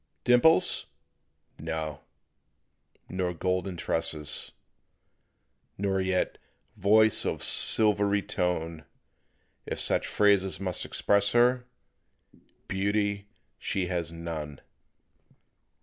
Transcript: "Dimples?" No; nor "golden tresses," Nor yet "voice of silvery tone"; If such phrases must express her, Beauty she has none.